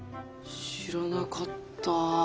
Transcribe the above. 知らなかった。